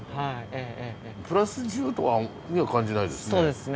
プラス１０には感じないですね。